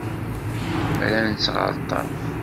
Rran-tt ɣer ṭṭerf.